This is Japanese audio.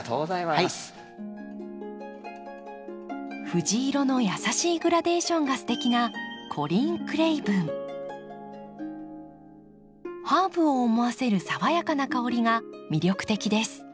藤色の優しいグラデーションがすてきなハーブを思わせる爽やかな香りが魅力的です。